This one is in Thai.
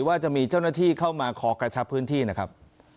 ว่าจะมีเจ้าหน้าที่เข้ามาขอกระชับพื้นที่นะครับ